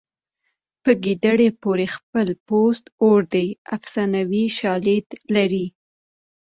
په ګیدړې پورې خپل پوست اور دی افسانوي شالید لري